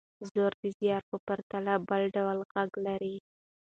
زور د زېر په پرتله بل ډول غږ لري.